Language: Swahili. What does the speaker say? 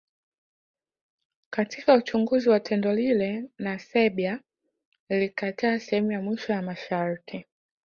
Katika Uchunguzi wa tendo lile na Serbia ilikataa sehemu ya mwisho ya masharti